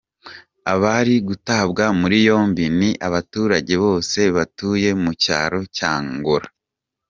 Abari gutabwa muri yombi ni abaturage bose batuye mu cyaro cya Ngola.